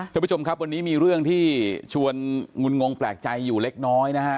ท่านผู้ชมครับวันนี้มีเรื่องที่ชวนงุนงงแปลกใจอยู่เล็กน้อยนะฮะ